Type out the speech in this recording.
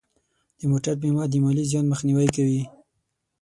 د موټر بیمه د مالی زیان مخنیوی کوي.